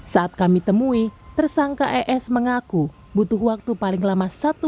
saat kami temui tersangka es mengaku butuh waktu paling lama